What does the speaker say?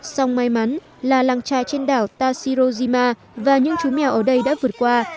song may mắn là làng trài trên đảo tashirojima và những chú mèo ở đây đã vượt qua